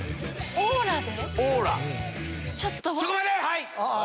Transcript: オーラで。